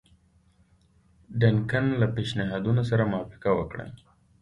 ډنکن له پېشنهادونو سره موافقه وکړه.